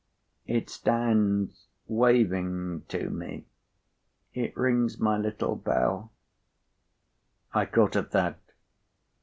It stands waving to me. It rings my little bell—" I caught at that.